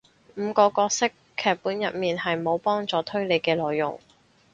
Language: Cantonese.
五個角色劇本入面係無幫助推理嘅內容